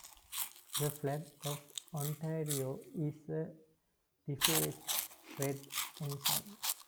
The flag of Ontario is a defaced Red Ensign.